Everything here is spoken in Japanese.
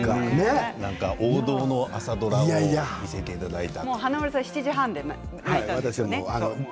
王道の朝ドラを見せていただいた。